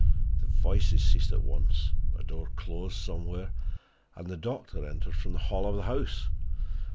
The voices ceased at once: a door closed somewhere, and the doctor entered from the hall of the house.